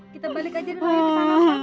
kita balik aja dulu